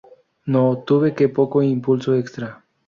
No tuve que poco impulso extra.